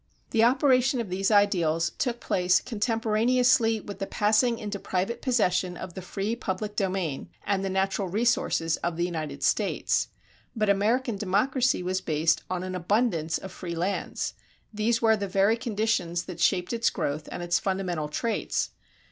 The operation of these ideals took place contemporaneously with the passing into private possession of the free public domain and the natural resources of the United States. But American democracy was based on an abundance of free lands; these were the very conditions that shaped its growth and its fundamental traits.